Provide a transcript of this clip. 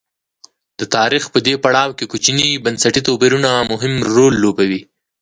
د تاریخ په دې پړاو کې کوچني بنسټي توپیرونه مهم رول لوبوي.